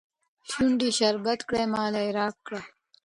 شونډي شربت کړه ماله يې راکړه